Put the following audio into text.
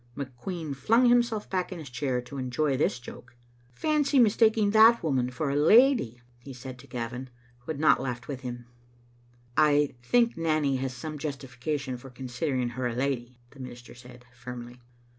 McQueen flung himself back in his chair to enjoy this joke. "Fancy mistaking that woman for a lady!" he said to Gavin, who had not laughed with him. " I think Nanny has some justification for considering her a lady," the minister said, firmly.